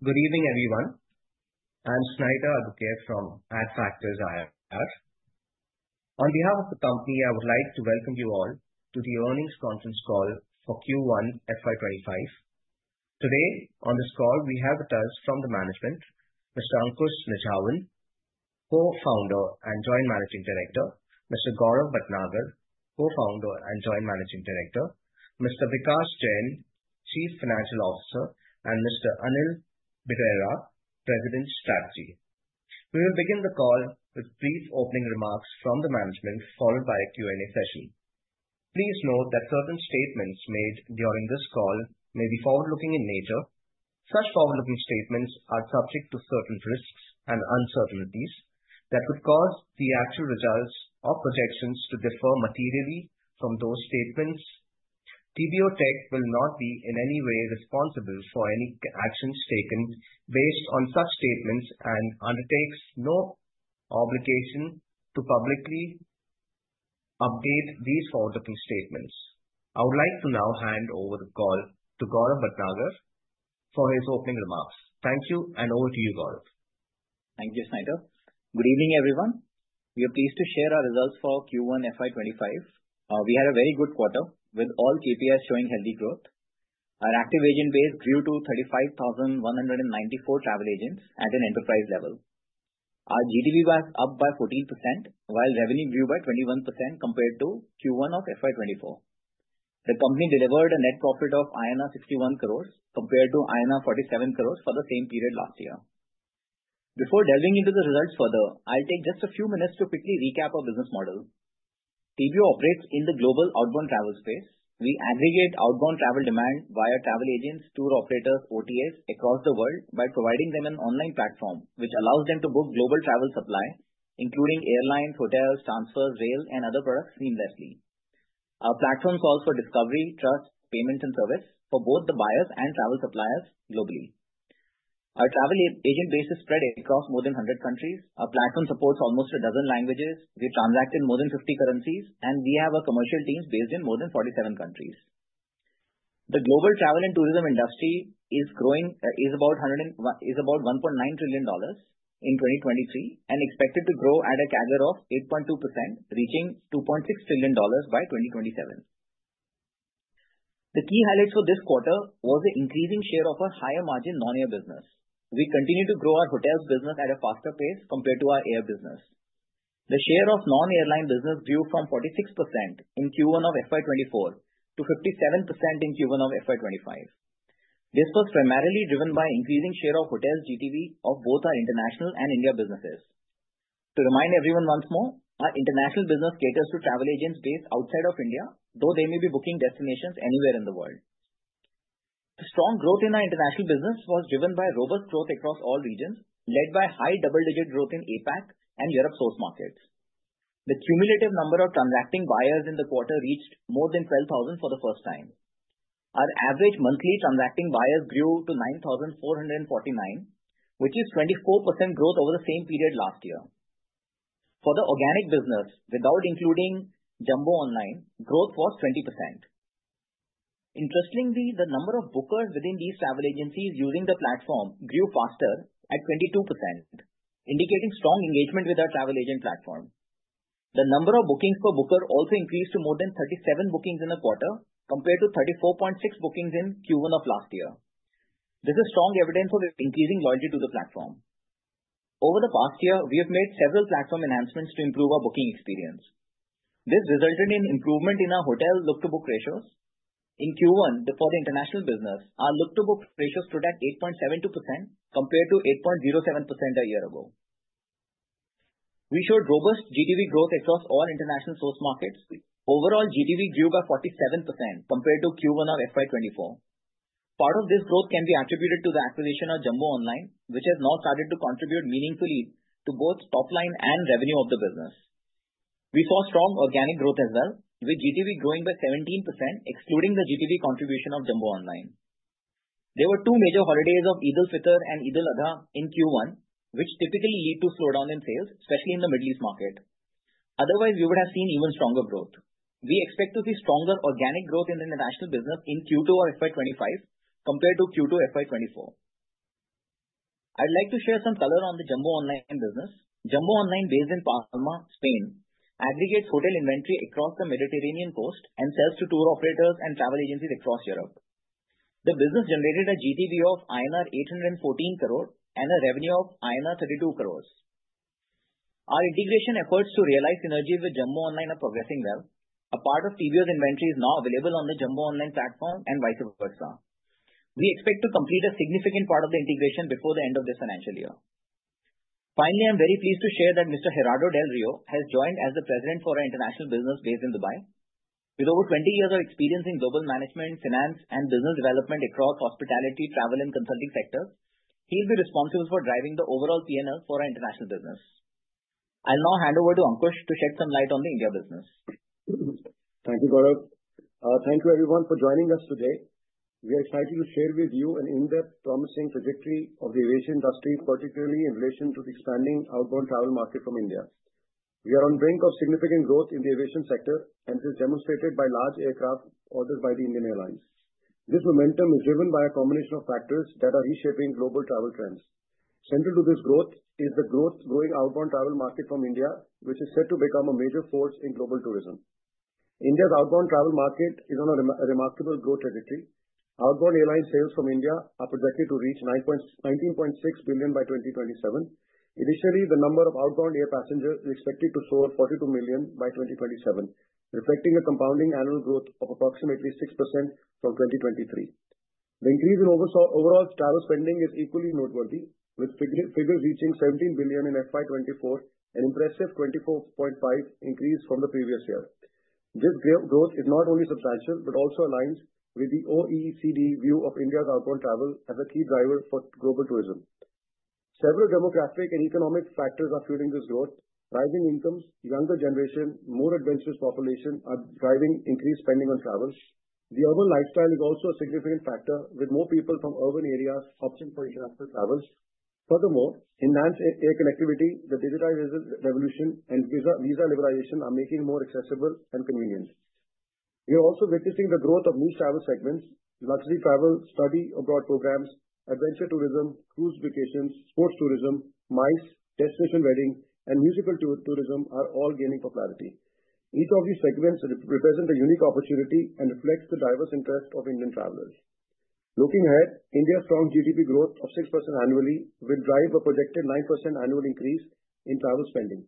Good evening, everyone. I'm Snighter Albuquerque from Adfactors IR. On behalf of the company, I would like to welcome you all to the earnings conference call for Q1 FY 2025. Today, on this call, we have with us from the management, Mr. Ankush Nijhawan, Co-founder and Joint Managing Director, Mr. Gaurav Bhatnagar, Co-founder and Joint Managing Director, Mr. Vikas Jain, Chief Financial Officer, and Mr. Anil Berera, President Strategy. We will begin the call with brief opening remarks from the management, followed by a Q&A session. Please note that certain statements made during this call may be forward-looking in nature. Such forward-looking statements are subject to certain risks and uncertainties that could cause the actual results or projections to differ materially from those statements. TBO Tek will not be in any way responsible for any actions taken based on such statements and undertakes no obligation to publicly update these forward-looking statements. I would like to now hand over the call to Gaurav Bhatnagar for his opening remarks. Thank you, and over to you, Gaurav. Thank you, Snighter. Good evening, everyone. We are pleased to share our results for Q1 FY 2025. We had a very good quarter, with all KPIs showing healthy growth. Our active agent base grew to 35,194 travel agents at an enterprise level. Our GTV was up by 14%, while revenue grew by 21% compared to Q1 of FY 2024. The company delivered a net profit of 61 crores compared to 47 crores for the same period last year. Before delving into the results further, I'll take just a few minutes to quickly recap our business model. TBO operates in the global outbound travel space. We aggregate outbound travel demand via travel agents, tour operators, OTAs across the world by providing them an online platform, which allows them to book global travel supply, including airlines, hotels, transfers, rail, and other products seamlessly. Our platform solves for discovery, trust, payments, and service for both the buyers and travel suppliers globally. Our travel agent base is spread across more than 100 countries. Our platform supports almost a dozen languages. We transact in more than 50 currencies, and we have a commercial teams based in more than 47 countries. The global travel and tourism industry is growing, is about $1.9 trillion in 2023 and expected to grow at a CAGR of 8.2%, reaching $2.6 trillion by 2027. The key highlights for this quarter was the increasing share of our higher margin non-air business. We continue to grow our hotels business at a faster pace compared to our air business. The share of non-airline business grew from 46% in Q1 of FY 2024 to 57% in Q1 of FY 2025. This was primarily driven by increasing share of hotels GTV of both our international and India businesses. To remind everyone once more, our international business caters to travel agents based outside of India, though they may be booking destinations anywhere in the world. The strong growth in our international business was driven by robust growth across all regions, led by high double-digit growth in APAC and Europe source markets. The cumulative number of transacting buyers in the quarter reached more than 12,000 for the first time. Our average monthly transacting buyers grew to 9,449, which is 24% growth over the same period last year. For the organic business, without including Jumbo Online, growth was 20%. Interestingly, the number of bookers within these travel agencies using the platform grew faster at 22%, indicating strong engagement with our travel agent platform. The number of bookings per booker also increased to more than 37 bookings in a quarter, compared to 34.6 bookings in Q1 of last year. This is strong evidence of increasing loyalty to the platform. Over the past year, we have made several platform enhancements to improve our booking experience. This resulted in improvement in our hotel look-to-book ratios. In Q1, for the international business, our look-to-book ratios stood at 8.72%, compared to 8.07% a year ago. We showed robust GTV growth across all international source markets. Overall, GTV grew by 47% compared to Q1 of FY 2024. Part of this growth can be attributed to the acquisition of Jumbo Online, which has now started to contribute meaningfully to both top line and revenue of the business. We saw strong organic growth as well, with GTV growing by 17%, excluding the GTV contribution of Jumbo Online. There were two major holidays of Eid al-Fitr and Eid al-Adha in Q1, which typically lead to slowdown in sales, especially in the Middle East market. Otherwise, we would have seen even stronger growth. We expect to see stronger organic growth in the international business in Q2 of FY 2025 compared to Q2 FY 2024. I'd like to share some color on the Jumbo Online business. Jumbo Online, based in Palma, Spain, aggregates hotel inventory across the Mediterranean coast and sells to tour operators and travel agencies across Europe. The business generated a GTV of INR 814 crore and a revenue of INR 32 crores. Our integration efforts to realize synergies with Jumbo Online are progressing well. A part of TBO's inventory is now available on the Jumbo Online platform and vice versa. We expect to complete a significant part of the integration before the end of this financial year. Finally, I'm very pleased to share that Mr. Gerardo Del Rio has joined as the President for our International Business based in Dubai. With over 20 years of experience in global management, finance, and business development across hospitality, travel, and consulting sectors, he'll be responsible for driving the overall P&L for our international business. I'll now hand over to Ankush to shed some light on the India business. Thank you, Gaurav. Thank you everyone for joining us today. We are excited to share with you an in-depth, promising trajectory of the aviation industry, particularly in relation to the expanding outbound travel market from India. We are on brink of significant growth in the aviation sector and is demonstrated by large aircraft ordered by the Indian Airlines. This momentum is driven by a combination of factors that are reshaping global travel trends. Central to this growth is the growing outbound travel market from India, which is set to become a major force in global tourism. India's outbound travel market is on a remarkable growth trajectory. Outbound airline sales from India are projected to reach $19.6 billion by 2027. Initially, the number of outbound air passengers is expected to soar 42 million by 2027, reflecting a compounding annual growth of approximately 6% from 2023. The increase in overall travel spending is equally noteworthy, with figures reaching $17 billion in FY 2024, an impressive 24.5% increase from the previous year. This growth is not only substantial, but also aligns with the OECD view of India's outbound travel as a key driver for global tourism. Several demographic and economic factors are fueling this growth. Rising incomes, younger generation, more adventurous population are driving increased spending on travels. The urban lifestyle is also a significant factor, with more people from urban areas opting for international travels. Furthermore, enhanced air connectivity, the digital revolution and visa liberalization are making it more accessible and convenient. We are also witnessing the growth of new travel segments, luxury travel, study abroad programs, adventure tourism, cruise vacations, sports tourism, MICE, destination wedding, and musical tourism are all gaining popularity. Each of these segments represent a unique opportunity and reflects the diverse interests of Indian travelers. Looking ahead, India's strong GDP growth of 6% annually will drive a projected 9% annual increase in travel spending.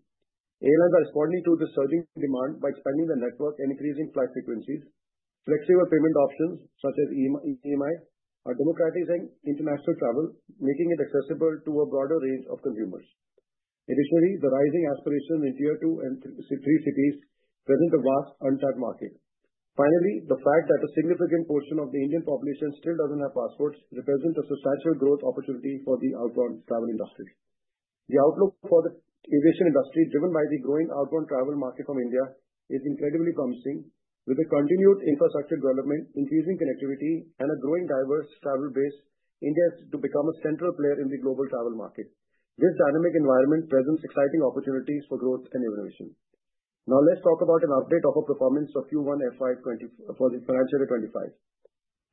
Airlines are responding to the surging demand by expanding their network and increasing flight frequencies. Flexible payment options, such as EMI, are democratizing international travel, making it accessible to a broader range of consumers. Additionally, the rising aspiration in Tier 2 and Tier 3 cities present a vast, uncharted market. Finally, the fact that a significant portion of the Indian population still doesn't have passports represents a substantial growth opportunity for the outbound travel industry. The outlook for the aviation industry, driven by the growing outbound travel market from India, is incredibly promising. With the continued infrastructure development, increasing connectivity, and a growing diverse travel base, India is to become a central player in the global travel market. This dynamic environment presents exciting opportunities for growth and innovation. Now, let's talk about an update of our performance of Q1 FY 2025 for the financial year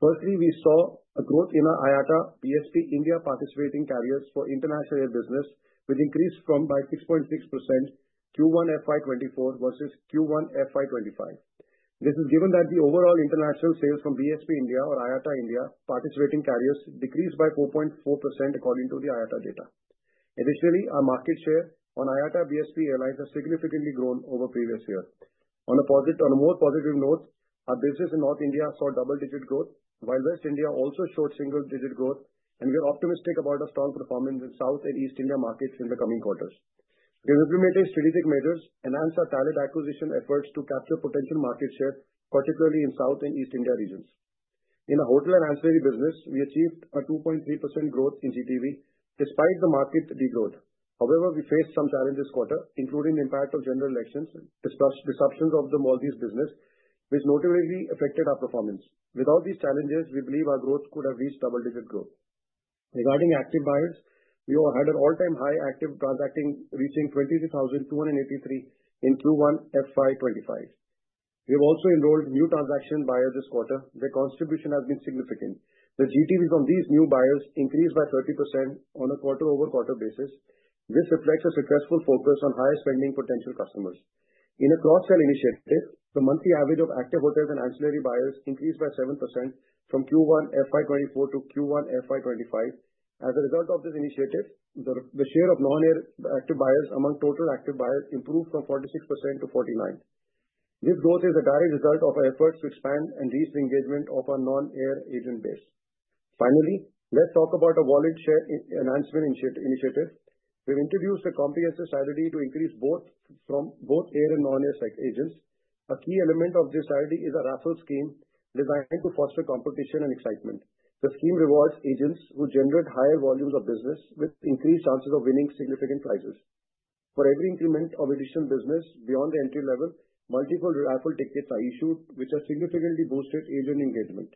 2025. Firstly, we saw a growth in our IATA BSP India participating carriers for international air business, which increased by 6.6%, Q1 FY 2024 versus Q1 FY 2025. This is given that the overall international sales from BSP India or IATA India participating carriers decreased by 4.4% according to the IATA data. Additionally, our market share on IATA BSP airlines has significantly grown over previous year. On a more positive note, our business in North India saw double-digit growth, while West India also showed single-digit growth, and we are optimistic about a strong performance in South and East India markets in the coming quarters. We have implemented strategic measures to enhance our talent acquisition efforts to capture potential market share, particularly in South and East India regions. In our hotel and ancillary business, we achieved a 2.3% growth in GTV despite the market degrowth. However, we faced some challenges this quarter, including the impact of general elections, disruptions of the Maldives business, which notably affected our performance. Without these challenges, we believe our growth could have reached double-digit growth. Regarding active buyers, we had an all-time high active transacting, reaching 23,283 in Q1 FY 2025. We have also enrolled new transacting buyers this quarter. Their contribution has been significant. The GTV from these new buyers increased by 30% on a quarter-over-quarter basis. This reflects a successful focus on higher spending potential customers. In a cross-sell initiative, the monthly average of active hotel and ancillary buyers increased by 7% from Q1 FY 2024 to Q1 FY 2025. As a result of this initiative, the share of non-air active buyers among total active buyers improved from 46% to 49%. This growth is a direct result of our efforts to expand and reach the engagement of our non-air agent base. Finally, let's talk about our wallet share enhancement initiative. We've introduced a comprehensive strategy to increase both from both air and non-air agents. A key element of this strategy is a raffle scheme designed to foster competition and excitement. The scheme rewards agents who generate higher volumes of business with increased chances of winning significant prizes. For every increment of additional business beyond the entry level, multiple raffle tickets are issued, which has significantly boosted agent engagement.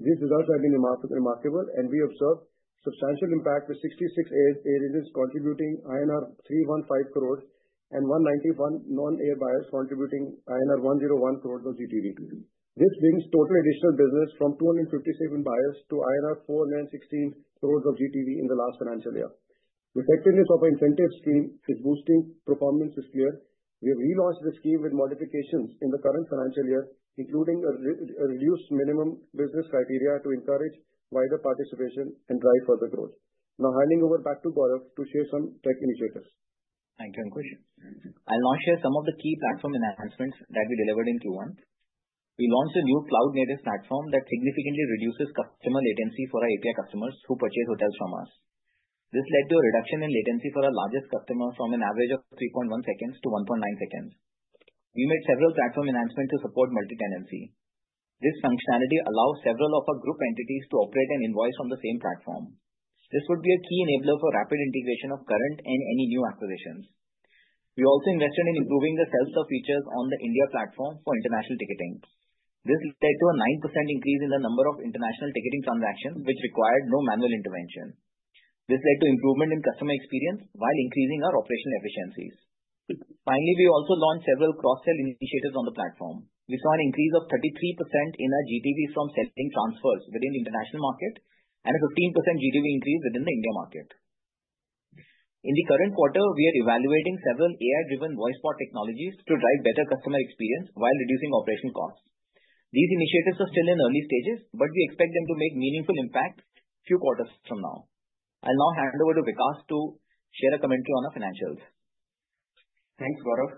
These results have been remarkable, and we observed substantial impact, with 66 air agents contributing INR 315 crores, and 191 non-air buyers contributing INR 101 crore of GTV. This brings total additional business from 257 buyers to INR 496 crores of GTV in the last financial year. The effectiveness of our incentive scheme is boosting performance is clear. We have relaunched this scheme with modifications in the current financial year, including a reduced minimum business criteria to encourage wider participation and drive further growth. Now handing over back to Gaurav to share some tech initiatives. Thank you, Ankush. I'll now share some of the key platform enhancements that we delivered in Q1. We launched a new cloud-native platform that significantly reduces customer latency for our API customers who purchase hotels from us. This led to a reduction in latency for our largest customer from an average of 3.1 seconds to 1.9 seconds. We made several platform enhancements to support multi-tenancy. This functionality allows several of our group entities to operate and invoice on the same platform. This would be a key enabler for rapid integration of current and any new acquisitions. We also invested in improving the self-serve features on the India platform for international ticketing. This led to a 9% increase in the number of international ticketing transactions, which required no manual intervention. This led to improvement in customer experience while increasing our operational efficiencies. Finally, we also launched several cross-sell initiatives on the platform. We saw an increase of 33% in our GTV from selling transfers within the international market and a 15% GTV increase within the India market. In the current quarter, we are evaluating several AI-driven voice bot technologies to drive better customer experience while reducing operational costs. These initiatives are still in early stages, but we expect them to make meaningful impact few quarters from now. I'll now hand over to Vikas to share a commentary on our financials. Thanks, Gaurav.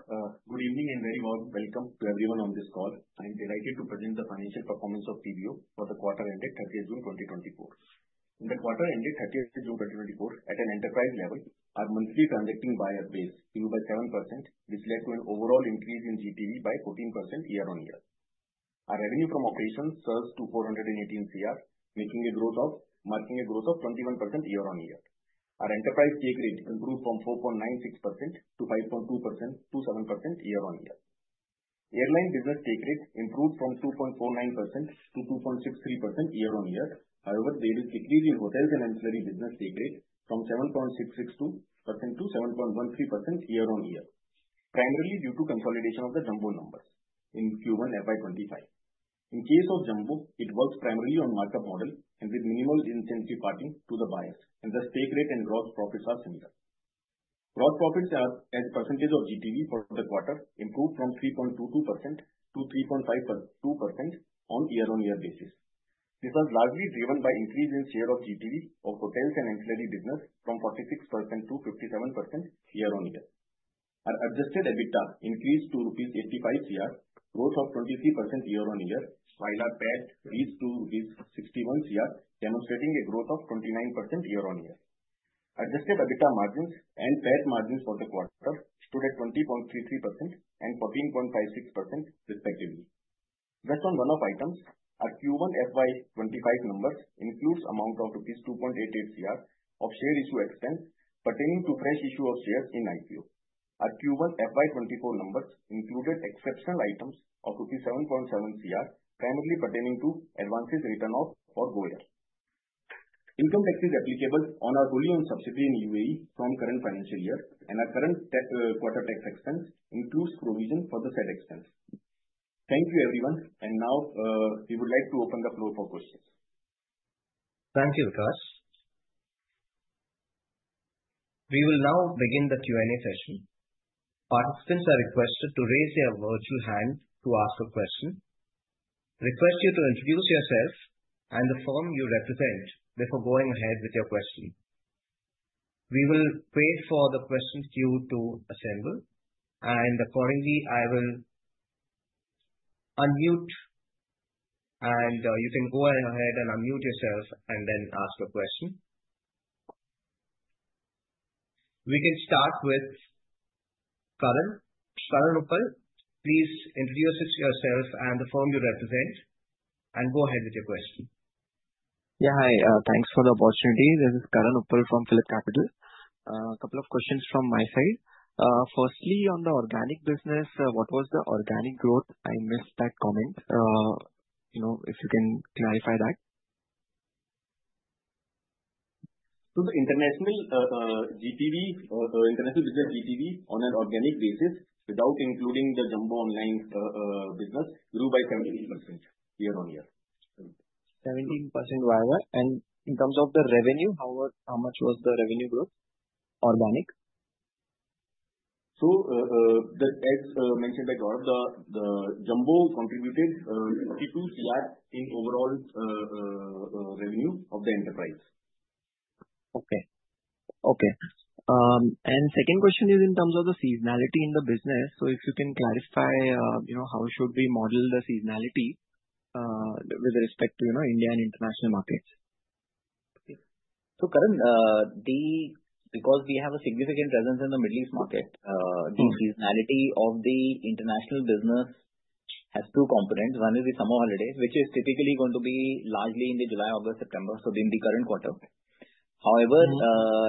Good evening and very warm welcome to everyone on this call. I'm delighted to present the financial performance of TBO for the quarter ended 30th June, 2024. In the quarter ended 30th June, 2024, at an enterprise level, our monthly transacting buyer base grew by 7%, which led to an overall increase in GTV by 14% year-on-year. Our revenue from operations surged to 418 crore, marking a growth of 21% year-on-year. Our enterprise take rate improved from 4.96% to 5.2% to 7% year-on-year. Airline business take rate improved from 2.49% to 2.63% year-on-year. However, there is a decrease in hotels and ancillary business take rate from 7.662% to 7.13% year-on-year, primarily due to consolidation of the Jumbo numbers in Q1 FY 2025. In case of Jumbo, it works primarily on markup model and with minimal incentive payments to the buyers, and the take rate and gross profits are similar. Net profits are, as a percentage of GTV for the quarter, improved from 3.22% to 3.52% on year-on-year basis. This was largely driven by increase in share of GTV of hotels and ancillary business from 46% to 57% year-on-year. Our adjusted EBITDA increased to rupees 85 crore, growth of 23% year-on-year, while our PAT reached to rupees 61 crore, demonstrating a growth of 29% year-on-year. Adjusted EBITDA margins and PAT margins for the quarter stood at 20.33% and 14.56% respectively. Based on one-off items, our Q1 FY 2025 numbers includes amount of rupees 2.88 crore of share issue expense pertaining to fresh issue of shares in IPO. Our Q1 FY 2024 numbers included exceptional items of 7.7 crore, primarily pertaining to written-off advances for Go Air. Income tax is applicable on our fully owned subsidiary in UAE, from current financial year, and our current tax, quarter tax expense includes provision for the said expense. Thank you, everyone. And now, we would like to open the floor for questions. Thank you, Vikas. We will now begin the Q&A session. Participants are requested to raise their virtual hand to ask a question. Request you to introduce yourself and the firm you represent before going ahead with your question. We will wait for the question queue to assemble, and accordingly, I will unmute, and you can go ahead and unmute yourself and then ask your question. We can start with Karan. Karan Uppal, please introduce yourself and the firm you represent, and go ahead with your question. Yeah, hi, thanks for the opportunity. This is Karan Uppal from PhillipCapital. Couple of questions from my side. Firstly, on the organic business, what was the organic growth? I missed that comment. You know, if you can clarify that. So the international GTV, or the international business GTV, on an organic basis, without including the Jumbo Online business, grew by 17% year-on-year. 17% YoY. In terms of the revenue, how much was the revenue growth, organic? As mentioned by Gaurav, the Jumbo contributed 52% in overall revenue of the enterprise. Okay. Okay, and second question is in terms of the seasonality in the business. So if you can clarify, you know, how should we model the seasonality, with respect to, you know, India and international markets? Karan, because we have a significant presence in the Middle East market- Mm-hmm. ...The seasonality of the international business has two components. One is the summer holiday, which is typically going to be largely in July, August, September, so in the current quarter. Mm-hmm. However,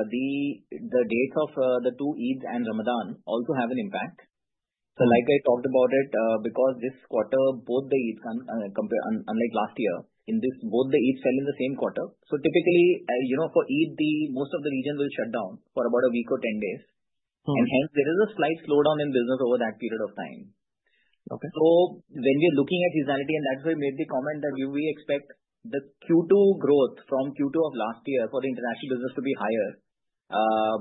the dates of the two Eids and Ramadan also have an impact. Mm-hmm. So, like I talked about it, because this quarter, both the Eids come, unlike last year, in this, both the Eids fell in the same quarter. So typically, you know, for Eid, the, most of the regions will shut down for about a week or 10 days. Mm-hmm. Hence, there is a slight slowdown in business over that period of time. Okay. So when we are looking at seasonality, and that's why I made the comment that we expect the Q2 growth from Q2 of last year for the international business to be higher,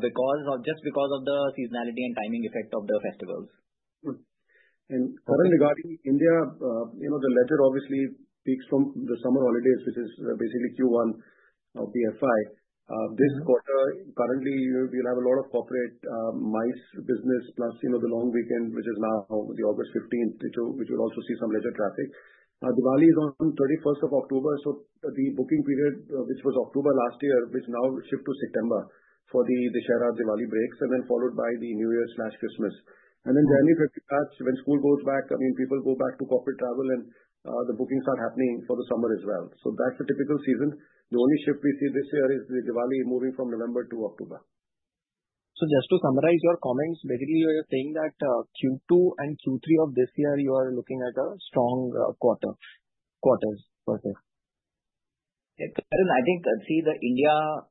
because of just because of the seasonality and timing effect of the festivals. Good. And Karan, regarding India, you know, the latter obviously peaks from the summer holidays, which is, basically Q1 of the FY. Mm-hmm. This quarter, currently, we, we'll have a lot of corporate, MICE business, plus, you know, the long weekend, which is now the August 15th, which will, which will also see some leisure traffic. Diwali is on 31st of October, so the booking period, which was October last year, which now will shift to September for the Dussehra, Diwali breaks, and then followed by the New Year's/Christmas. Mm-hmm. Then January, when school goes back, I mean, people go back to corporate travel and, the bookings are happening for the summer as well. So that's the typical season. The only shift we see this year is the Diwali moving from November to October. So just to summarize your comments, basically you're saying that, Q2 and Q3 of this year, you are looking at a strong, quarter, quarters. Perfect. Yeah. I think, see, the India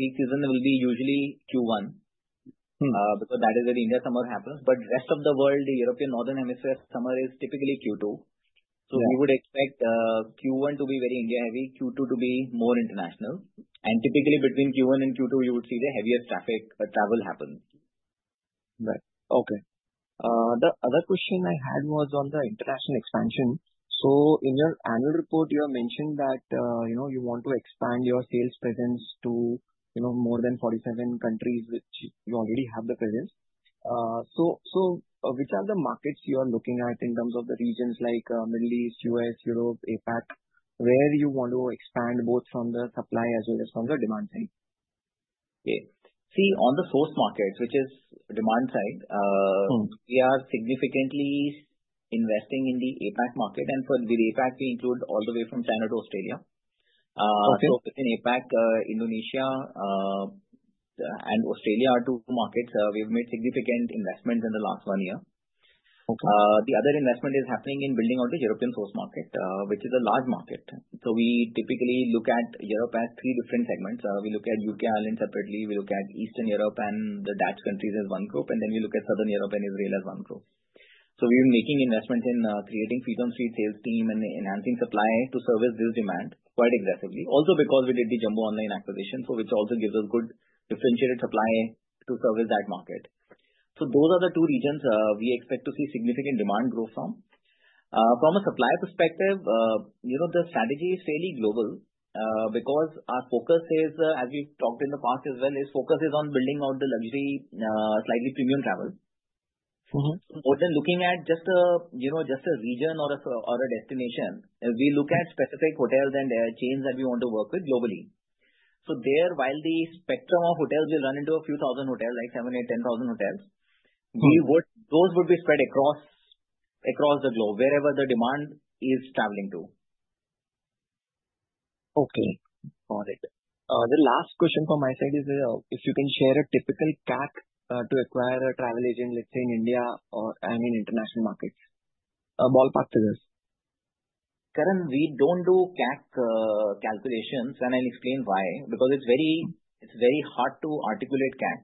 peak season will be usually Q1. Mm-hmm. Because that is where the India summer happens. But rest of the world, the European, Northern Hemisphere summer is typically Q2. Yeah. We would expect Q1 to be very India-heavy, Q2 to be more international. Typically between Q1 and Q2, you would see the heaviest traffic, travel happen. Right. Okay. The other question I had was on the international expansion. So in your annual report, you have mentioned that, you know, you want to expand your sales presence to, you know, more than 47 countries, which you already have the presence. So, so which are the markets you are looking at in terms of the regions like, Middle East, U.S., Europe, APAC, where you want to expand both from the supply as well as from the demand side? Yeah. See, on the source markets, which is demand side- Mm-hmm. ...We are significantly investing in the APAC market, and for the APAC, we include all the way from China to Australia. Okay. In APAC, Indonesia, and Australia are two markets we've made significant investments in the last one year. Okay. The other investment is happening in building out the European source market, which is a large market. So we typically look at Europe as three different segments. We look at U.K., Ireland separately, we look at Eastern Europe and the Dutch countries as one group, and then we look at Southern Europe and Israel as one group. So we are making investments in, creating feet on street sales team and enhancing supply to service this demand quite aggressively. Also because we did the Jumbo Online acquisition, so which also gives us good differentiated supply to service that market. So those are the two regions, we expect to see significant demand growth from. From a supply perspective, you know, the strategy is fairly global, because our focus is, as we've talked in the past as well, on building out the luxury, slightly premium travel. Mm-hmm. More than looking at just, you know, just a region or a destination, we look at specific hotels and, chains that we want to work with globally. So there, while the spectrum of hotels will run into a few thousand hotels, like 7, 8, 10,000 hotels- Mm-hmm. ...Those would be spread across the globe, wherever the demand is traveling to. Okay, got it. The last question from my side is, if you can share a typical CAC, to acquire a travel agent, let's say in India or any international markets. A ballpark figures. Karan, we don't do CAC calculations, and I'll explain why. Because it's very, it's very hard to articulate CAC.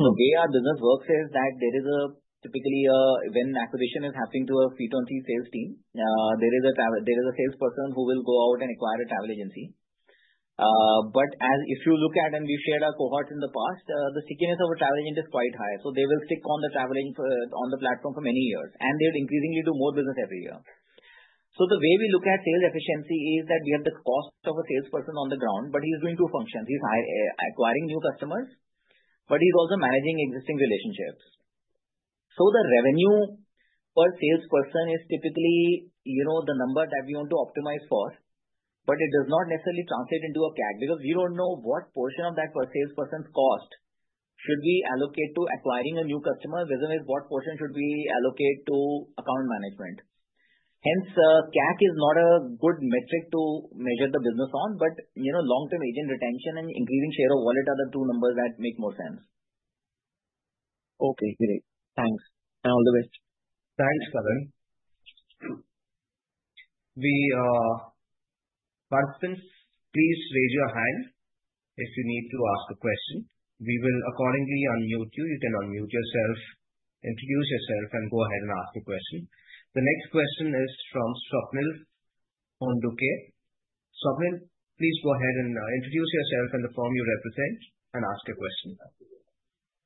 Mm-hmm. The way our business works is that there is a typically, when acquisition is happening to a feet on street sales team, there is a salesperson who will go out and acquire a travel agency. But as if you look at, and we've shared our cohort in the past, the stickiness of a travel agent is quite high, so they will stick on the traveling for, on the platform for many years, and they'll increasingly do more business every year. So the way we look at sales efficiency is that we have the cost of a salesperson on the ground, but he's doing two functions: he's acquiring new customers, but he's also managing existing relationships. So the revenue per salesperson is typically, you know, the number that we want to optimize for, but it does not necessarily translate into a CAC, because we don't know what portion of that per salesperson cost should we allocate to acquiring a new customer, versus what portion should we allocate to account management. Hence, CAC is not a good metric to measure the business on, but, you know, long-term agent retention and increasing share of wallet are the two numbers that make more sense. Okay, great. Thanks, and all the best. Thanks, Karan. Participants, please raise your hand if you need to ask a question. We will accordingly unmute you. You can unmute yourself, introduce yourself and go ahead and ask your question. The next question is from Swapnil Potdukhe. Swapnil, please go ahead and introduce yourself and the firm you represent, and ask your question.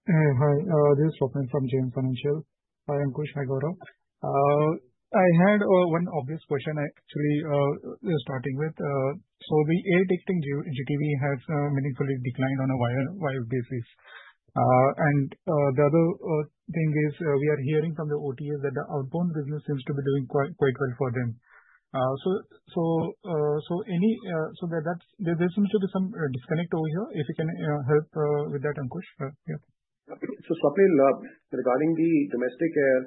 Hi, this is Swapnil from JM Financial. Hi, Ankush. Hi, Gaurav. I had one obvious question actually, starting with so the air ticketing GTV has meaningfully declined on a year-on-year basis. And the other thing is we are hearing from the OTAs that the outbound business seems to be doing quite, quite well for them. So, so any, so that that's - there seems to be some disconnect over here, if you can help with that, Ankush, yeah. So, Swapnil, regarding the domestic air,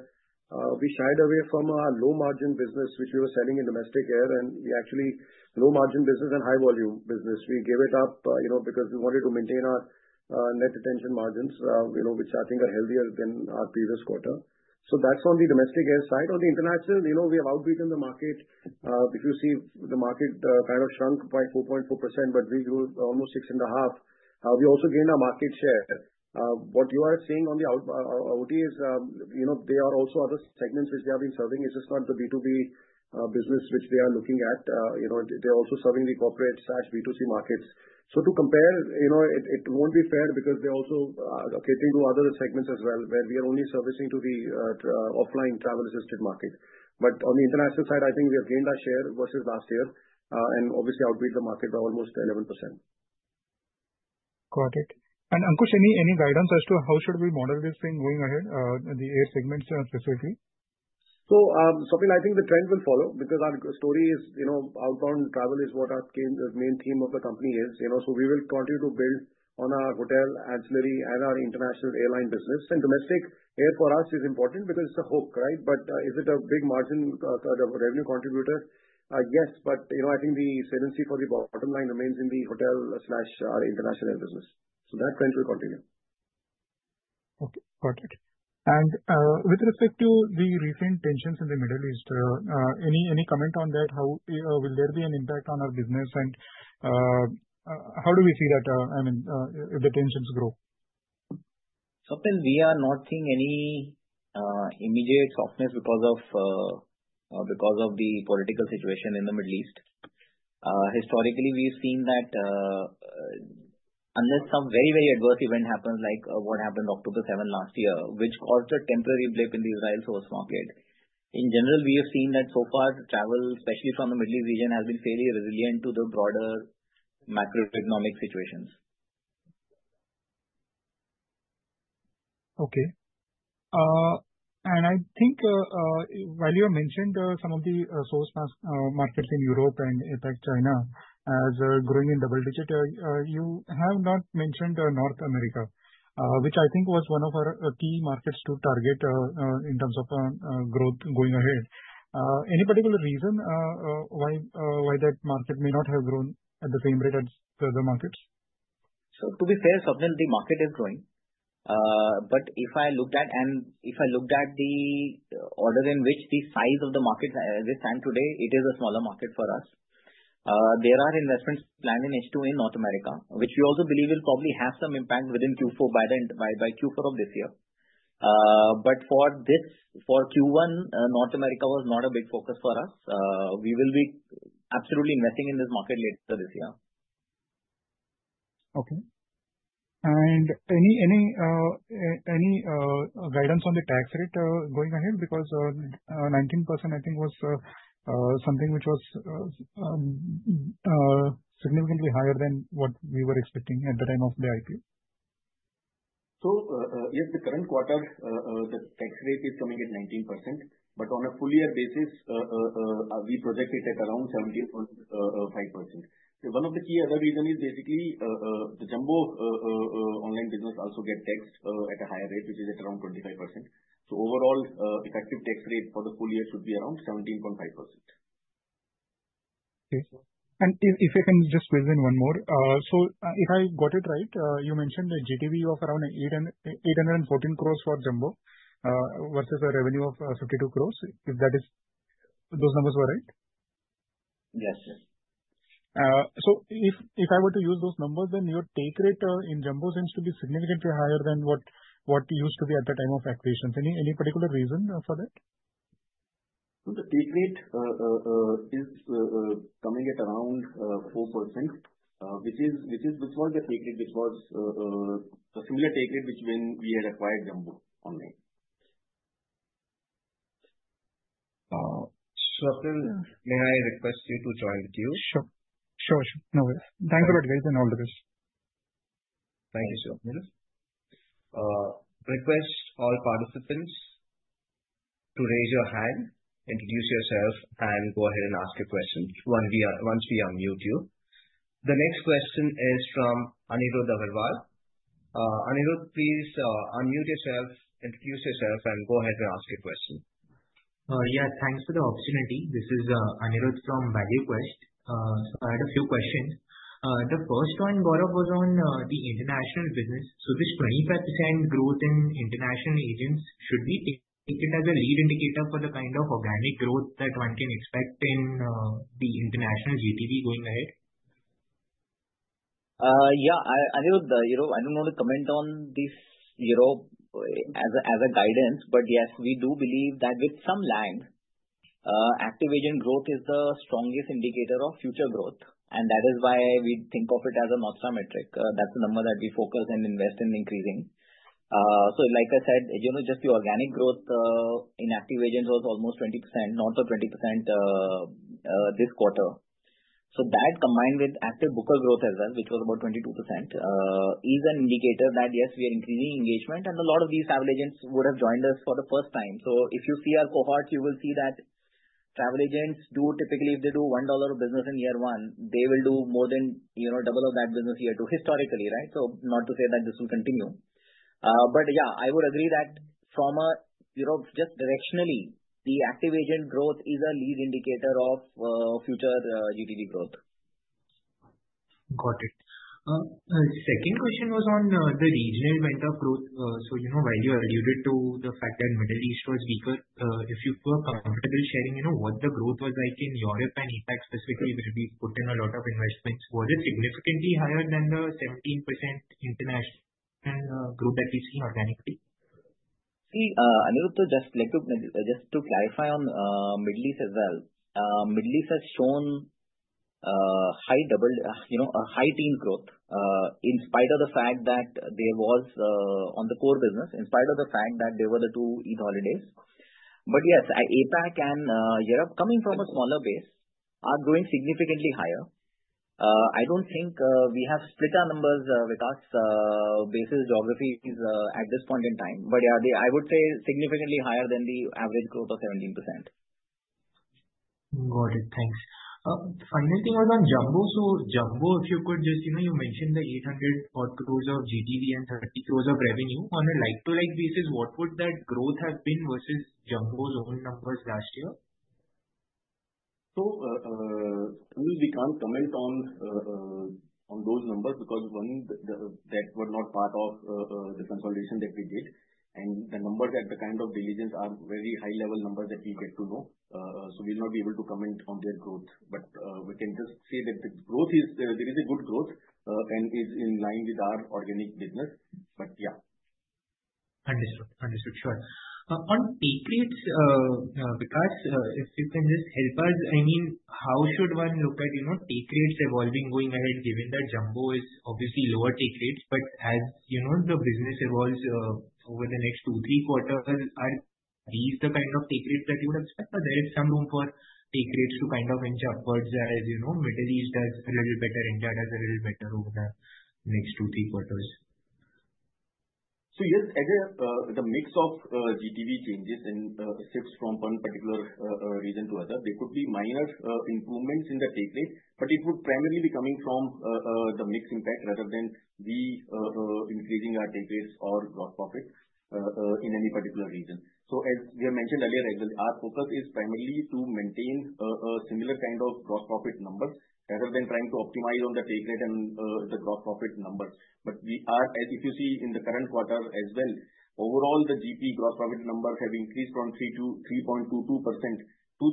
we shied away from our low-margin business, which we were selling in domestic air, and we actually low-margin business and high volume business, we gave it up, you know, because we wanted to maintain our net retention margins, you know, which I think are healthier than our previous quarter. So that's on the domestic air side. On the international, you know, we have outbidden the market. If you see, the market kind of shrunk by 4.2%, but we grew almost 6.5%. We also gained our market share. What you are seeing on the OTAs, you know, there are also other segments which they have been serving. It's just not the B2B business which they are looking at. You know, they, they're also serving the corporate slash B2C markets. So to compare, you know, it, it won't be fair because they're also catering to other segments as well, where we are only servicing to the offline travel-assisted market. But on the international side, I think we have gained our share versus last year, and obviously outbid the market by almost 11%. Got it. And Ankush, any guidance as to how should we model this thing going ahead in the air segment, specifically? So, Swapnil, I think the trend will follow, because our story is, you know, outbound travel is what our theme, main theme of the company is. You know, so we will continue to build on our hotel, ancillary and our international airline business. And domestic air for us is important because it's a hook, right? But, is it a big margin, revenue contributor? Yes, but you know, I think the resiliency for the bottom line remains in the hotel slash, international air business. So that trend will continue. Okay, got it. With respect to the recent tensions in the Middle East, any comment on that? How will there be an impact on our business? And, how do we see that, I mean, if the tensions grow? Swapnil, we are not seeing any, immediate softness because of, because of the political situation in the Middle East. Historically, we've seen that, unless some very, very adverse event happens, like what happened October 7 last year, which caused a temporary break in the Israel source market. In general, we have seen that so far, travel, especially from the Middle East region, has been fairly resilient to the broader macroeconomic situations. Okay. And I think, while you have mentioned some of the source markets in Europe and APAC China as growing in double digits, you have not mentioned North America. Which I think was one of our key markets to target, in terms of growth going ahead. Any particular reason why that market may not have grown at the same rate as the other markets? So to be fair, Swapnil, the market is growing. But if I looked at the order in which the size of the market they stand today, it is a smaller market for us. There are investments planned in H2 in North America, which we also believe will probably have some impact within Q4, by the end, by Q4 of this year. But for this, for Q1, North America was not a big focus for us. We will be absolutely investing in this market later this year. Okay. And any guidance on the tax rate going ahead? Because 19%, I think, was something which was significantly higher than what we were expecting at the time of the IPO. Yes, the current quarter, the tax rate is coming at 19%, but on a full year basis, we project it at around 17.5%. One of the key other reason is basically, the Jumbo Online business also get taxed at a higher rate, which is at around 25%. Overall, effective tax rate for the full year should be around 17.5%. Okay. If I can just squeeze in one more. So if I got it right, you mentioned a GTV of around 814 crore for Jumbo versus a revenue of 52 crore, if that is, those numbers were right? Yes, yes. So if I were to use those numbers, then your take rate in Jumbo seems to be significantly higher than what it used to be at the time of acquisition. Any particular reason for that? The take rate is coming at around 4%, which was a similar take rate when we had acquired Jumbo Online. Swapnil, may I request you to join the queue? Sure. Sure, sure, no worries. Thanks for advice and all the best. Thank you, sir. Request all participants to raise your hand, introduce yourself, and go ahead and ask your question once we unmute you. The next question is from Anirudh Agarwal. Anirudh, please, unmute yourself, introduce yourself, and go ahead and ask your question. Yeah, thanks for the opportunity. This is Anirudh from ValueQuest. So I had a few questions. The first one, Gaurav, was on the international business. So this 25% growth in international agents, should we take it as a lead indicator for the kind of organic growth that one can expect in the international GTV going ahead? Yeah. I know, you know, I don't want to comment on this, you know, as guidance, but yes, we do believe that with some lag, active agent growth is the strongest indicator of future growth. And that is why we think of it as a monster metric. That's the number that we focus and invest in increasing. So like I said, you know, just the organic growth in active agents was almost 20%, north of 20%, this quarter. So that, combined with active booker growth as well, which was about 22%, is an indicator that, yes, we are increasing engagement, and a lot of these travel agents would have joined us for the first time. So if you see our cohorts, you will see that travel agents do... Typically, if they do $1 of business in year one, they will do more than, you know, double of that business, year two, historically, right? So not to say that this will continue. But yeah, I would agree that from a, you know, just directionally, the active agent growth is a lead indicator of future GTV growth. Got it. Second question was on, the regional point of growth. So, you know, while you alluded to the fact that Middle East was weaker, if you feel comfortable sharing, you know, what the growth was like in Europe and APAC specifically, where we put in a lot of investments. Was it significantly higher than the 17% international growth that we see organically? See, Anirudh, just like to just to clarify on Middle East as well. Middle East has shown high double, you know, a high teen growth in spite of the fact that there was on the core business, in spite of the fact that there were the two Eid holidays. But yes, APAC and Europe, coming from a smaller base, are growing significantly higher. I don't think we have split our numbers with our base geographies at this point in time. But yeah, they I would say significantly higher than the average growth of 17%. Got it, thanks. Final thing was on Jumbo. So Jumbo, if you could just, you know, you mentioned the 800 crore of GTV and 30 crore of revenue. On a like-for-like basis, what would that growth have been versus Jumbo's own numbers last year? So, we can't comment on those numbers, because one, that were not part of the consolidation that we did. The numbers at the kind of regions are very high-level numbers that we get to know. So we'll not be able to comment on their growth. But we can just say that the growth is there; there is a good growth, and is in line with our organic business. But yeah. Understood. Understood. Sure. On take rates, Vikas, if you can just help us, I mean, how should one look at, you know, take rates evolving going ahead, given that Jumbo is obviously lower take rates. But as you know, the business evolves over the next two, three quarters, are, are these the kind of take rates that you would expect, or there is some room for take rates to kind of inch upwards as, you know, Middle East does a little better, India does a little better over the next two, three quarters? So yes, as the mix of GTV changes and shifts from one particular region to other, there could be minor improvements in the take rate, but it would primarily be coming from the mix impact rather than we increasing our take rates or gross profit in any particular region. So as we have mentioned earlier as well, our focus is primarily to maintain a similar kind of gross profit number, rather than trying to optimize on the take rate and the gross profit number. We are, as if you see in the current quarter as well, overall, the GP gross profit numbers have increased from 3% to 3.22% to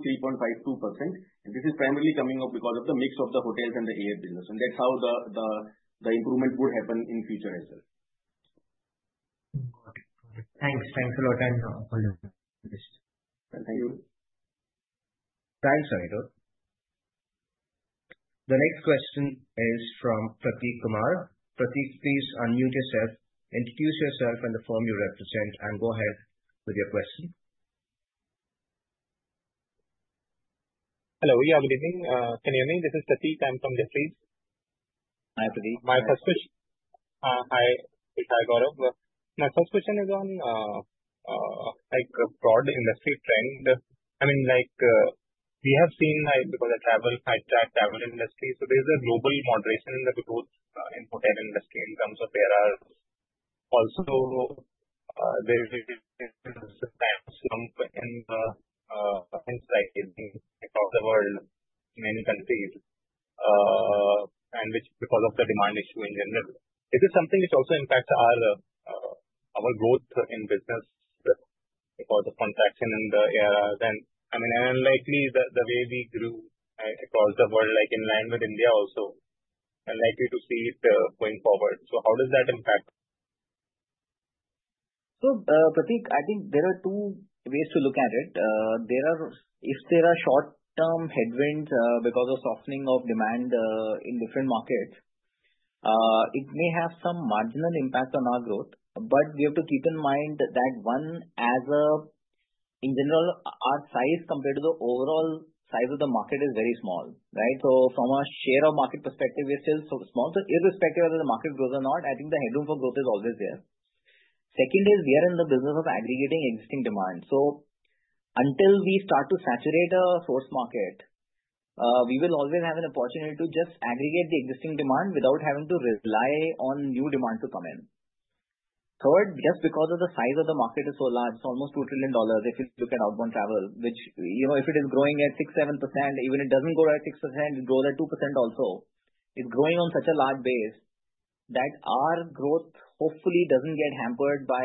3.52%, and this is primarily coming up because of the mix of the hotels and the air business, and that's how the improvement would happen in future as well. Okay. Thanks. Thanks a lot and all the best. Thank you. Thanks, Anirudh. The next question is from Prateek Kumar. Prateek, please unmute yourself. Introduce yourself and the firm you represent, and go ahead with your question. Hello, yeah, good evening, good evening, this is Prateek. I'm from Jefferies. Hi, Prateek. My first question... Hi. Hi, Gaurav. My first question is on, like, broad industry trend. I mean, like, we have seen, like, because of travel, high track travel industry, so there's a global moderation in the growth, in hotel industry in terms of air hours. Also, there is a slump in, like, across the world, many countries, and which because of the demand issue in general. Is this something which also impacts our growth in business, because of contraction in the areas? And, I mean, and likely, the way we grew, across the world, like in line with India also, unlikely to see it, going forward. So how does that impact? So, Prateek, I think there are two ways to look at it. There are, if there are short-term headwinds, because of softening of demand, in different markets, it may have some marginal impact on our growth. But we have to keep in mind that, one, as, in general, our size compared to the overall size of the market is very small, right? So from a share of market perspective, we are still so small. So irrespective of whether the market grows or not, I think the headroom for growth is always there. Second is we are in the business of aggregating existing demand. So until we start to saturate a source market, we will always have an opportunity to just aggregate the existing demand without having to rely on new demand to come in. Third, just because of the size of the market is so large, it's almost $2 trillion if you look at outbound travel, which, you know, if it is growing at 6%-7%, even it doesn't grow at 6%, it grows at 2% also, it's growing on such a large base that our growth hopefully doesn't get hampered by,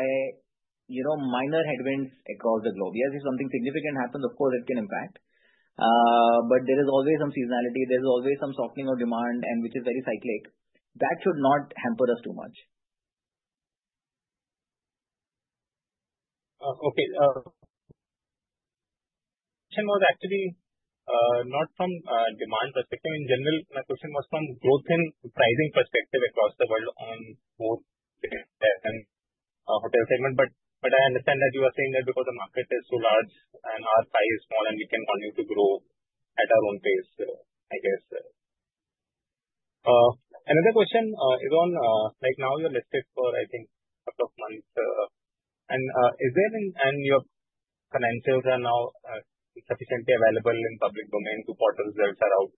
you know, minor headwinds across the globe. Yes, if something significant happens, of course, it can impact. But there is always some seasonality, there is always some softening of demand, and which is very cyclic. That should not hamper us too much. Okay. Question was actually not from a demand perspective in general. My question was from growth and pricing perspective across the world on more in air and hotel segment. But I understand that you are saying that because the market is so large and our size is small, and we can continue to grow at our own pace, I guess. Another question is on right now, you're listed for, I think, a couple of months. And is there any, and your financials are now sufficiently available in public domain, so quarters results are out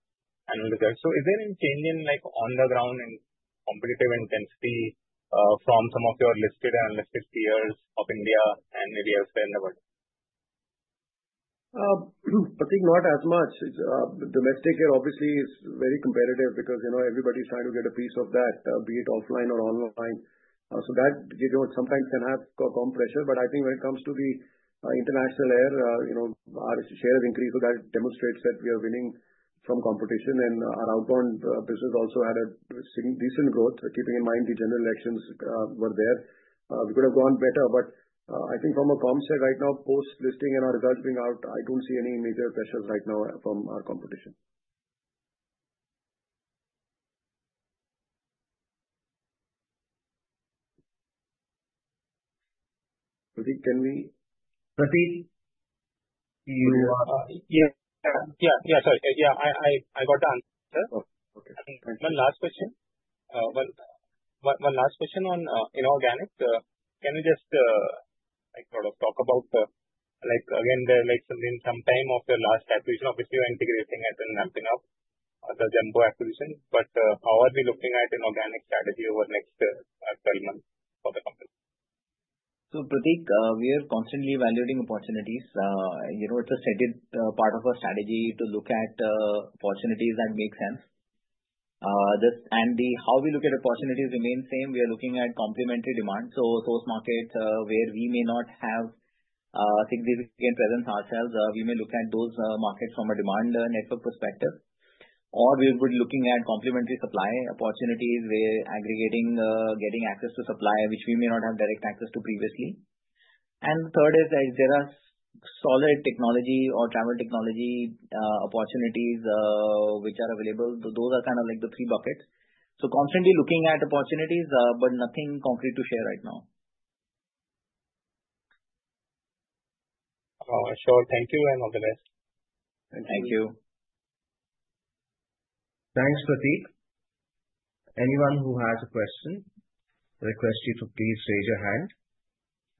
and with that. So is there any change in, like, on the ground and competitive intensity from some of your listed and unlisted peers of India and maybe elsewhere in the world? I think not as much. It's domestic here obviously is very competitive because, you know, everybody's trying to get a piece of that, be it offline or online. So that, you know, sometimes can have compression. But I think when it comes to the international air, you know, our share has increased, so that demonstrates that we are winning from competition. And our outbound business also had a significant growth, keeping in mind the general elections were there. We could have gone better, but I think from a commercial side right now, post-listing and our results being out, I don't see any major pressures right now from our competition. Prateek, can we... Prateek, you are- Yeah. Yeah, yeah, sorry. Yeah, I got the answer. Oh, okay. Thank you. One last question on inorganic. Can you just, like, sort of talk about, like, again, like the last acquisition, obviously you are integrating it and ramping up the Jumbo acquisition. But, how are we looking at inorganic strategy over the next 12 months for the company? So, Prateek, we are constantly evaluating opportunities. You know, it's a stated part of our strategy to look at opportunities that make sense. This and the how we look at opportunities remain same. We are looking at complementary demand. So those markets where we may not have significant presence ourselves, we may look at those markets from a demand network perspective. Or we'll be looking at complementary supply opportunities where aggregating, getting access to supply, which we may not have direct access to previously. And third is, like, there are solid technology or travel technology opportunities which are available. So those are kind of like the three buckets. So constantly looking at opportunities, but nothing concrete to share right now. Sure. Thank you and all the best. Thank you. Thank you. Thanks, Prateek. Anyone who has a question, request you to please raise your hand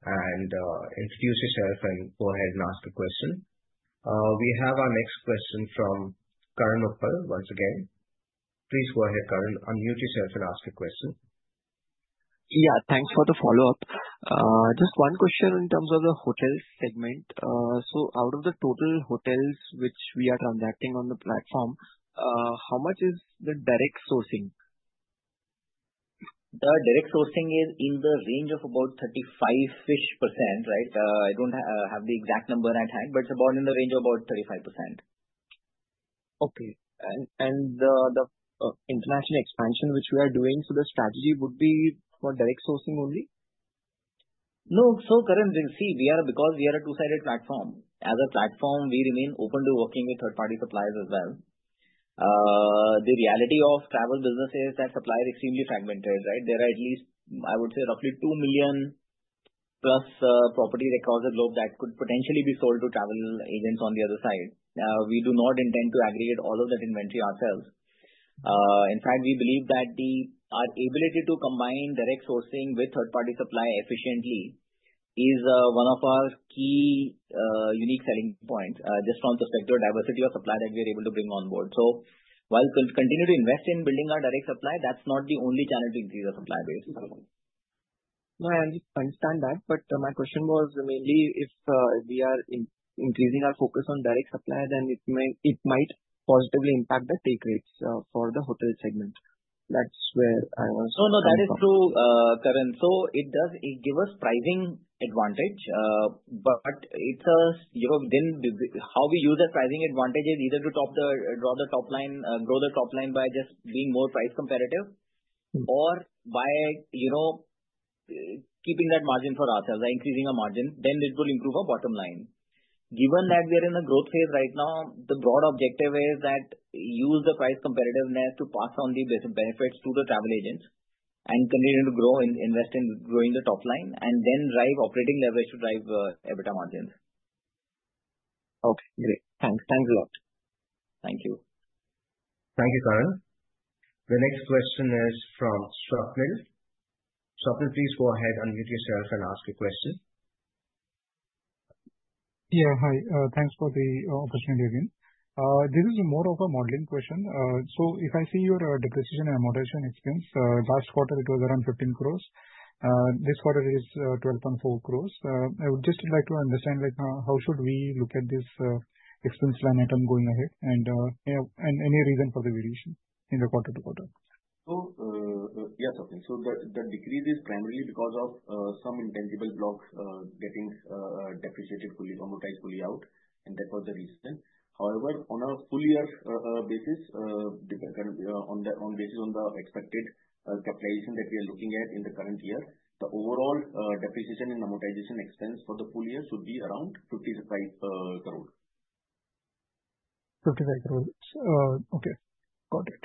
and, introduce yourself and go ahead and ask the question. We have our next question from Karan Uppal once again. Please go ahead, Karan, unmute yourself and ask your question. Yeah, thanks for the follow-up. Just one question in terms of the hotel segment. So out of the total hotels which we are contracting on the platform, how much is the direct sourcing? The direct sourcing is in the range of about 35-ish%, right? I don't have the exact number at hand, but it's about in the range of about 35%. Okay. And the international expansion which we are doing, so the strategy would be for direct sourcing only? No. So, Karan, you see, we are, because we are a two-sided platform, as a platform, we remain open to working with third-party suppliers as well. The reality of travel business is that supply is extremely fragmented, right? There are at least, I would say, roughly 2 million+ property records across the globe that could potentially be sold to travel agents on the other side. We do not intend to aggregate all of that inventory ourselves. In fact, we believe that our ability to combine direct sourcing with third-party supply efficiently is one of our key unique selling points, just from the sector diversity of supply that we're able to bring on board. So while we'll continue to invest in building our direct supply, that's not the only channel to increase our supply base. No, I understand that, but my question was mainly if we are increasing our focus on direct supply, then it may, it might positively impact the take rates for the hotel segment. That's where I was- No, no, that is true, Karan. So it does, it give us pricing advantage, but it does, you know, then, how we use that pricing advantage is either to top the, draw the top line, grow the top line by just being more price competitive. Mm. Or by, you know, keeping that margin for ourselves, by increasing our margin, then this will improve our bottom line. Given that we're in a growth phase right now, the broad objective is that use the price competitiveness to pass on the benefits to the travel agents, and continue to grow and invest in growing the top line, and then drive operating leverage to drive EBITDA margins. Okay, great. Thanks. Thanks a lot. Thank you. Thank you, Karan. The next question is from Swapnil. Swapnil, please go ahead, unmute yourself and ask your question. Yeah, hi. Thanks for the opportunity again. This is more of a modeling question. So if I see your depreciation and amortization expense, last quarter it was around 15 crore. This quarter is 12.4 crore. I would just like to understand, like, how should we look at this expense line item going ahead, and yeah, and any reason for the variation in the quarter-to-quarter? So, yes, okay. So the decrease is primarily because of some intangible blocks getting depreciated fully, amortized fully out, and that was the reason. However, on a full year basis, on the basis of the expected capitalization that we are looking at in the current year, the overall depreciation and amortization expense for the full year should be around 55 crore. 55 crore. Okay, got it.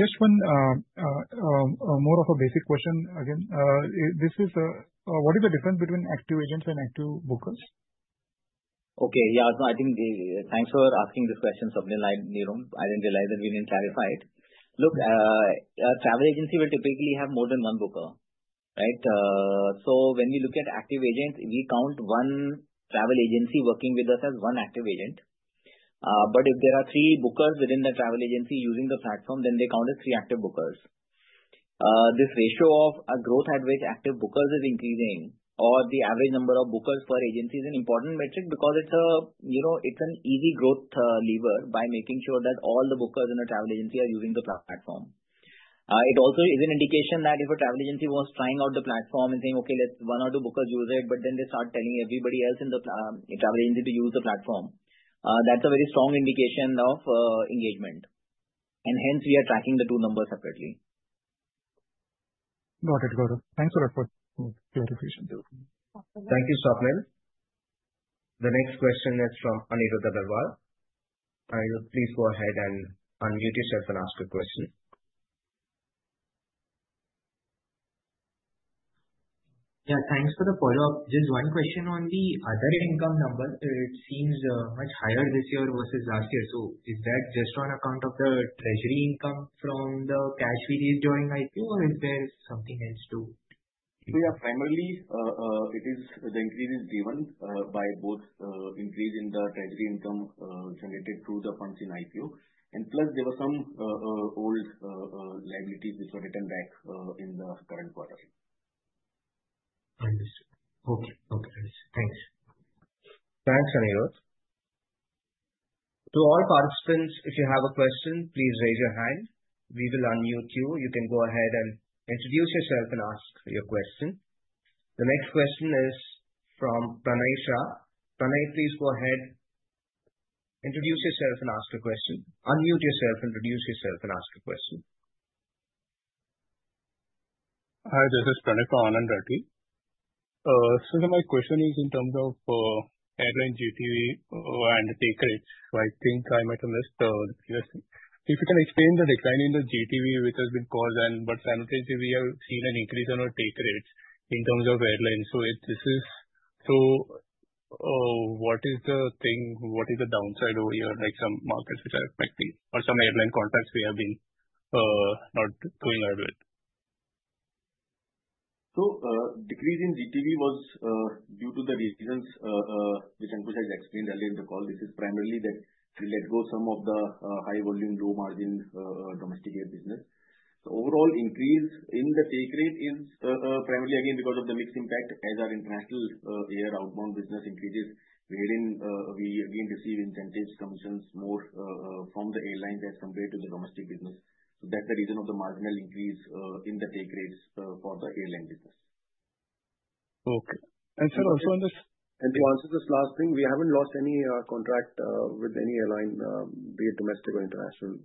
Just one more of a basic question again. This is what is the difference between active agents and active bookers? Okay. Yeah, so I think... Thanks for asking this question, Swapnil. I, you know, I didn't realize that we didn't clarify it. Look, a travel agency will typically have more than one booker, right? So when we look at active agents, we count one travel agency working with us as one active agent. But if there are three bookers within the travel agency using the platform, then they count as three active bookers. This ratio of a growth at which active bookers is increasing, or the average number of bookers per agency is an important metric because it's a, you know, it's an easy growth lever by making sure that all the bookers in the travel agency are using the platform. It also is an indication that if a travel agency was trying out the platform and saying, "Okay, let's one or two bookers use it," but then they start telling everybody else in the travel agency to use the platform. That's a very strong indication of engagement, and hence we are tracking the two numbers separately. Got it, got it. Thanks a lot for the clarification. Thank you, Swapnil. The next question is from Anirudh Agarwal. Anirudh, please go ahead and unmute yourself and ask your question. Yeah, thanks for the follow-up. Just one question on the other income numbers. It seems much higher this year versus last year. So is that just on account of the treasury income from the cash we raised during IPO, or is there something else, too? Yeah, primarily, it is, the increase is driven by both, increase in the treasury income generated through the funds in IPO, and plus, there were some old liabilities which were written back in the current quarter. I understand. Okay. Okay, thanks. Thanks, Anirudh. To all participants, if you have a question, please raise your hand. We will unmute you. You can go ahead and introduce yourself and ask your question. The next question is from Pranay Shah. Pranay, please go ahead, introduce yourself and ask a question. Unmute yourself, introduce yourself, and ask a question. Hi, this is Pranay from Anand Rathi. So my question is in terms of airline GTV and take rates. So I think I might have missed the previous. If you can explain the decline in the GTV, which has been caused, and but simultaneously, we have seen an increase in our take rates in terms of airlines. So if this is so, what is the thing, what is the downside over here, like some markets which are affecting or some airline contracts we have been not going ahead with? So, decrease in GTV was due to the reasons which Ankush has explained earlier in the call. This is primarily that we let go some of the high volume, low margin domestic air business. So overall increase in the take rate is primarily again because of the mixed impact as our international air outbound business increases, wherein we again receive incentives, commissions, more from the airlines as compared to the domestic business. So that's the reason of the marginal increase in the take rates for the airline business. Okay. And sir, also on this- To answer this last thing, we haven't lost any contract with any airline, be it domestic or international,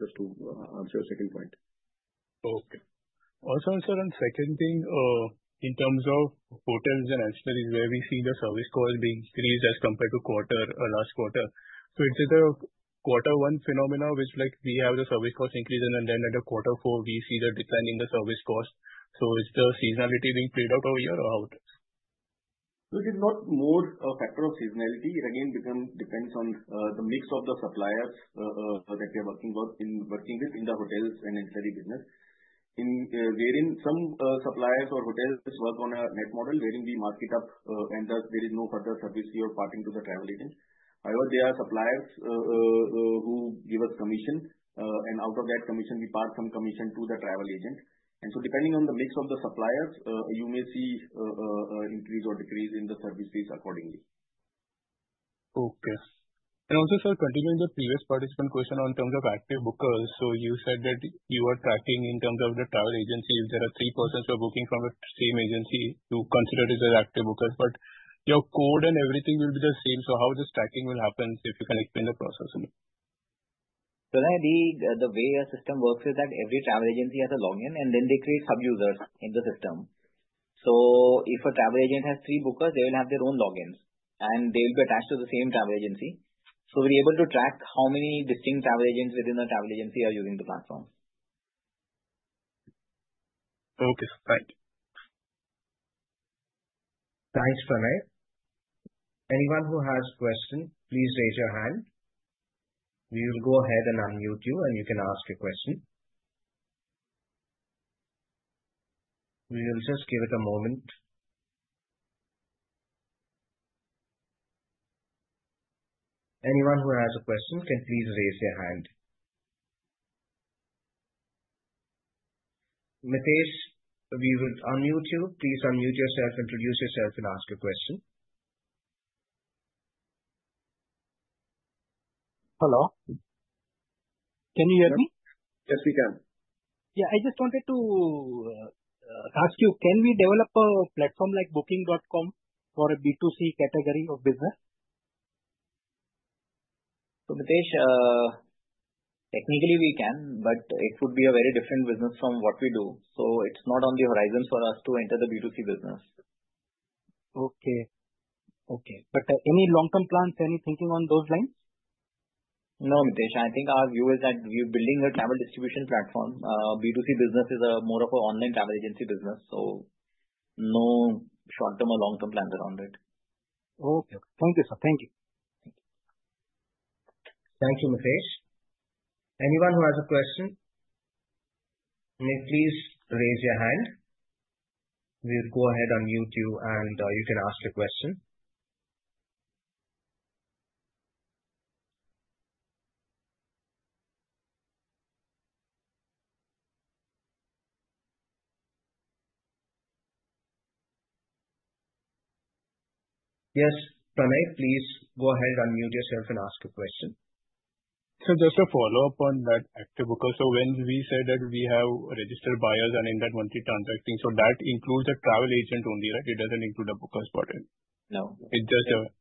just to answer your second point. Okay. Also, sir, and second thing, in terms of hotels and ancillaries, where we see the service costs being increased as compared to quarter, last quarter. So is it a quarter one phenomena, which like we have the service cost increasing and then at the quarter four we see the decline in the service cost? So is the seasonality being played out over here or how it is? So it is not more a factor of seasonality. It again depends on the mix of the suppliers that we are working with in the hotels and ancillary business. Wherein some suppliers or hotels work on a net model, wherein we mark it up, and there is no further service fee or payment to the travel agent. However, there are suppliers who give us commission, and out of that commission, we pass some commission to the travel agent. And so depending on the mix of the suppliers, you may see increase or decrease in the service fees accordingly. Okay. And also, sir, continuing the previous participant question in terms of active bookers. So you said that you are tracking in terms of the travel agency. If there are three persons who are booking from the same agency, you consider it as active bookers, but your code and everything will be the same. So how this tracking will happen, if you can explain the process only? Pranay, the way our system works is that every travel agency has a login, and then they create sub-users in the system. So if a travel agent has three bookers, they will have their own logins, and they will be attached to the same travel agency. So we're able to track how many distinct travel agents within the travel agency are using the platform. Okay, sir. Thank you. Thanks, Pranay. Anyone who has a question, please raise your hand. We will go ahead and unmute you, and you can ask your question. We will just give it a moment. Anyone who has a question can please raise their hand. Mitesh, we will unmute you. Please unmute yourself, introduce yourself, and ask a question. Hello, can you hear me? Yes, we can. Yeah, I just wanted to ask you, can we develop a platform like Booking.com for a B2C category of business? So, Mitesh, technically we can, but it would be a very different business from what we do. So it's not on the horizon for us to enter the B2C business. Okay. Okay, but, any long-term plans, any thinking on those lines? No, Mitesh, I think our view is that we're building a travel distribution platform. B2C business is more of an online travel agency business, so no short-term or long-term plans around it. Okay. Thank you, sir. Thank you. Thank you. Thank you, Mitesh. Anyone who has a question, may please raise your hand. We'll go ahead unmute you, and you can ask your question. Yes, Pranay, please go ahead, unmute yourself and ask your question. Sir, just a follow-up on that active booker. So when we say that we have registered buyers and in that monthly transacting, so that includes the travel agent only, right? It doesn't include the booker's part in. No. It does have-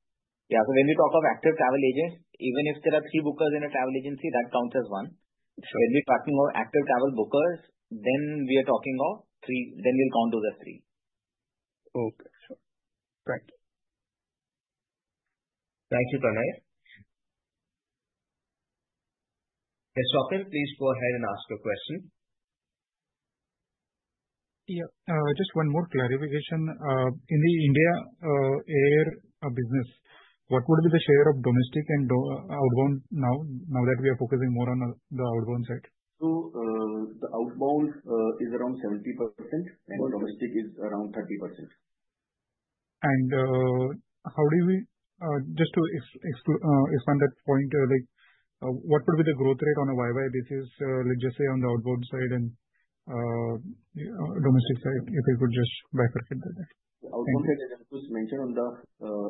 Yeah, so when we talk of active travel agents, even if there are three bookers in a travel agency, that counts as one. Sure. When we're talking about active travel bookers, then we are talking of three... Then we'll count those as three. Okay, sure. Thank you. Thank you, Pranay. Yes, Swapnil, please go ahead and ask your question. Yeah, just one more clarification. In the Indian air business, what would be the share of domestic and outbound now that we are focusing more on the outbound side? So, the outbound is around 70%. Okay. The domestic is around 30%. How do we just to expand that point, like, what would be the growth rate on a YoY basis, let's just say on the outbound side and domestic side, if you could just break it down? Thank you. Outbound side, as I just mentioned, on the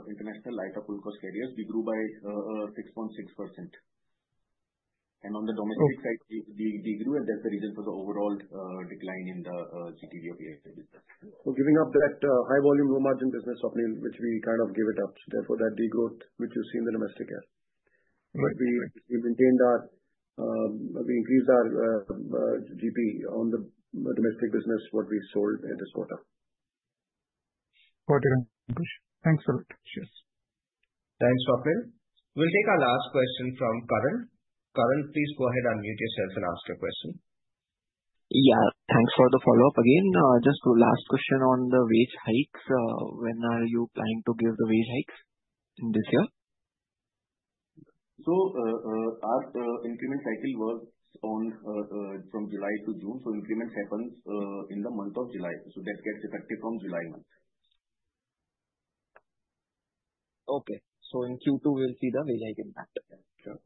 international low-cost full-service carriers, we grew by 6.6%. And on the domestic side, we grew, and that's the reason for the overall decline in the GTV of airfare. So giving up that high volume, low margin business, Swapnil, which we kind of gave it up, so therefore that degrowth which you see in the domestic air. Right. We increased our GP on the domestic business, what we sold in this quarter. Got it, Ankush. Thanks a lot. Cheers. Thanks, Swapnil. We'll take our last question from Karan. Karan, please go ahead, unmute yourself and ask your question. Yeah. Thanks for the follow-up again. Just the last question on the wage hikes. When are you planning to give the wage hikes? In this year? So, our increment cycle works on from July to June, so increment happens in the month of July. So that gets effective from July month. Okay. So in Q2, we'll see the wage hike impact? Yeah. Sure.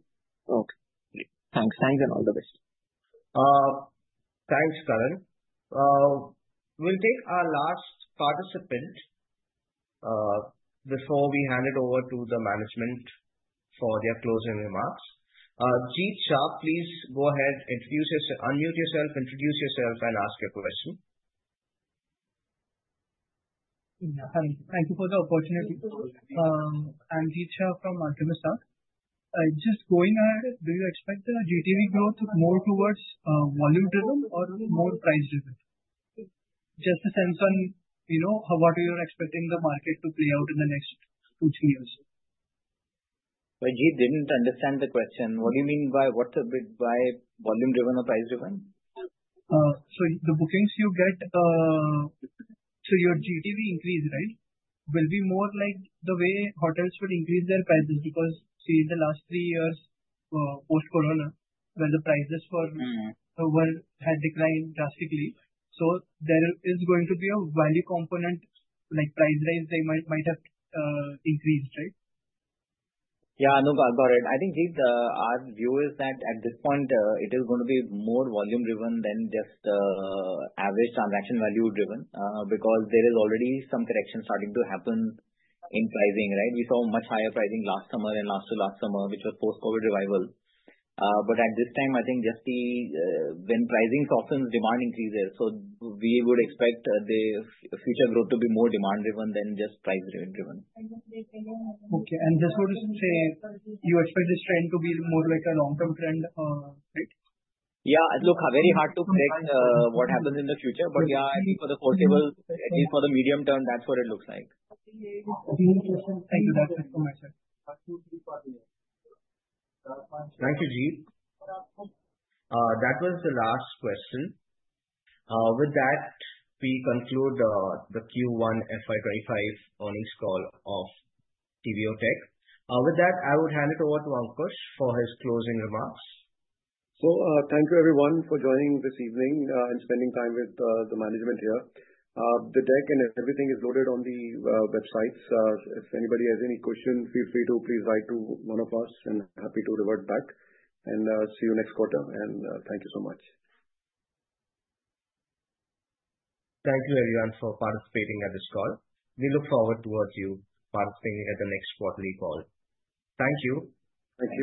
Okay, great. Thanks. Thanks, and all the best. Thanks, Karan. We'll take our last participant before we hand it over to the management for their closing remarks. Jeet Shah, please go ahead, unmute yourself, introduce yourself and ask your question. Yeah. Hi, thank you for the opportunity. I'm Jeet Shah from [Alchemist Star]. Just going ahead, do you expect the GTV growth more towards volume driven or more price driven? Just a sense on, you know, what you are expecting the market to play out in the next two, three years. Well, Jeet, didn't understand the question. What do you mean by what's a bit by volume driven or price driven? So the bookings you get, so your GTV increase, right? Will be more like the way hotels would increase their prices, because see, in the last three years, post-Corona.., when the prices were- Mm-hmm. ...Were, had declined drastically. So there is going to be a value component, like price rise, they might have increased, right? Yeah, no, got it. I think, Jeet, our view is that at this point, it is going to be more volume driven than just average transaction value driven, because there is already some correction starting to happen in pricing, right? We saw much higher pricing last summer and last to last summer, which was post-COVID revival. But at this time, I think just the, when pricing stops and demand increases, so we would expect the future growth to be more demand driven than just price driven. Okay. Just want to say, you expect this trend to be more like a long-term trend, right? Yeah. Look, very hard to predict, what happens in the future. But yeah, I think for the foreseeable, at least for the medium term, that's what it looks like. Okay. Thank you for that information. Thank you, Jeet. That was the last question. With that, we conclude the Q1 FY 25 earnings call of TBO Tek. With that, I would hand it over to Ankush for his closing remarks. So, thank you everyone for joining this evening and spending time with the management here. The deck and everything is loaded on the websites. If anybody has any questions, feel free to please write to one of us, and happy to revert back. See you next quarter, and thank you so much. Thank you everyone for participating at this call. We look forward towards you participating at the next quarterly call. Thank you. Thank you.